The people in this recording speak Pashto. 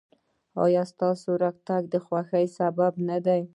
ایا ستاسو راتګ د خوښۍ سبب نه دی؟